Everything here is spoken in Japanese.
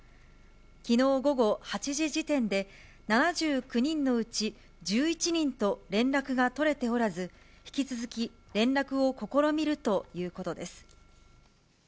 きのう午後８時時点で、７９人のうち１１人と連絡が取れておらず、引き続き連絡を試みるということです。